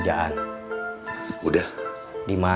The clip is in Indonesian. jangan lupa klik tombol